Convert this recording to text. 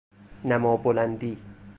نما بلندی